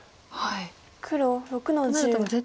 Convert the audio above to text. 黒６の十。